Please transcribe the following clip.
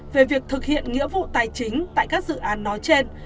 về việc thực hiện nghĩa vụ tài chính tại các dự án nói trên